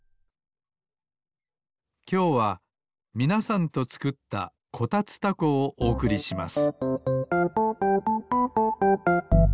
きょうはみなさんとつくった「こたつたこ」をおおくりします